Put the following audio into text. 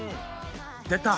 出た！